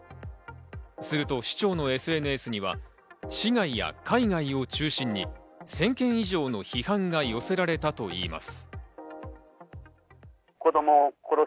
すると市長のＳＮＳには、市外や海外を中心に１０００件以上の批判が寄せられたといいます。